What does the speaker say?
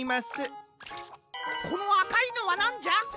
このあかいのはなんじゃ？